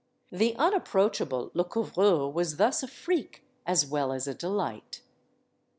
The unapproachable Le couvreur was thus a freak, as well as a delight.